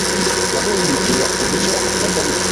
bamwe bayitirira uducurama batabizi